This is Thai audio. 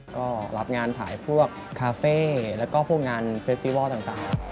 ก็รับงานถ่ายพวกคาเฟ่แล้วก็พวกงานเฟสติวอลต่าง